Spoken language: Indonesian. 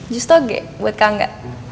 jus toge buat kang ngga